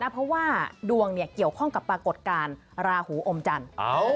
เพราะว่าดวงเกี่ยวข้องกับปรากฏการณ์ราหูอมจันทร์